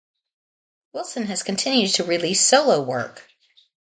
Wilson has continued to release solo work.